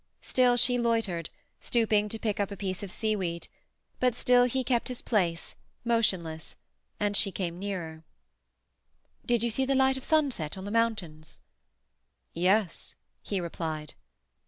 Still she loitered, stooping to pick up a piece of seaweed; but still he kept his place, motionless, and she came nearer. "Did you see the light of sunset on the mountains?" "Yes," he replied.